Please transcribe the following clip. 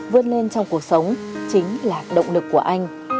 vươn lên trong cuộc sống chính là động lực của anh